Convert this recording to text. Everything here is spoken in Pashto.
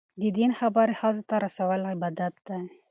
د دین خبرې ښځو ته رسول عبادت دی.